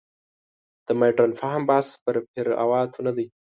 د مډرن فهم بحث پر فروعاتو نه دی.